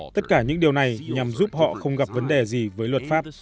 tất cả những điều này nhằm giúp họ không gặp vấn đề gì với luật pháp